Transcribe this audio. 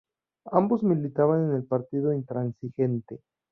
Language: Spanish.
Ambos militaban en el Partido Intransigente.